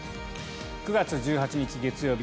９月１８日、月曜日